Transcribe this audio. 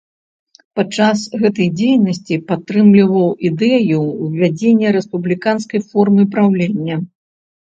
Падчас гэтай дзейнасці падтрымліваў ідэю ўвядзення рэспубліканскай формы праўлення.